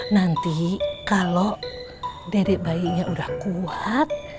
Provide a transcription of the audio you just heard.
nanti kalau dedek bayinya udah kuat